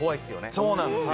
そうなんですよ。